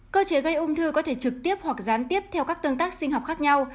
cơ chế gây ung thư có thể trực tiếp hoặc gián tiếp theo các tương tác sinh học khác nhau